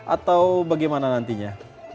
atau bagaimana nantinya